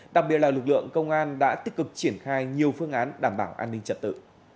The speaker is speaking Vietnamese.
đặc biệt là lực lượng công an đã tích cực triển khai nhiều phương án đảm bảo an ninh trật tự